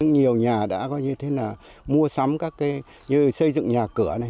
nhiều nhà đã mua sắm các cây như xây dựng nhà cửa